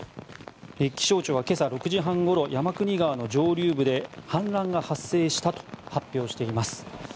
気象庁は今朝６時半ごろ山国川の上流部で氾濫が発生したと発表しています。